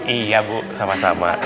iya bu sama sama